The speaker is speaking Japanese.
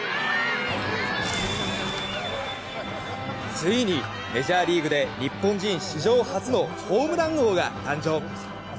ついにメジャーリーグで日本人史上初のホームラン王が誕生。